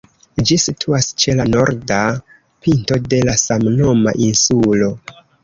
Ĝi situas ĉe la norda pinto de la samnoma insulo.